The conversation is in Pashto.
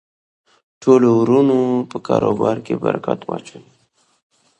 ټولو ورونو په کاربار کی برکت واچوی